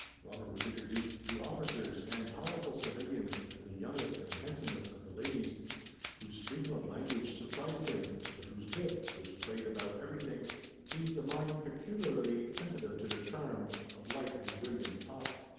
Robert was introduced to officers and powerful civilians and the youngest and handsomest of the ladies, whose freedom of language surprised him, but whose wit, which played about everything, pleased a mind peculiarly sensitive to the charm of light and brilliant talk.